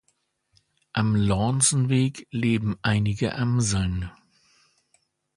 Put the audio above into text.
Am Lornsenweg leben einige Amseln.